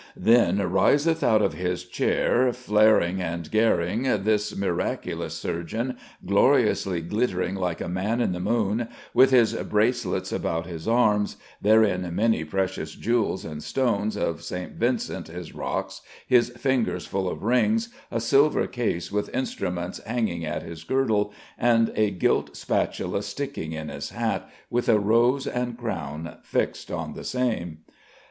"Then riseth out of his chayre, flering and gering, this myraculous surgeon, gloriously glittering like the man in the moon, with his bracelets about his armes, therein many precious jewels and stones of St. Vincent his Rockes, his fingers full of rings, a silver case with instruments hanging at his girdle, and a gilt spatula sticking in his hat, with a rose and crown fixed on the same."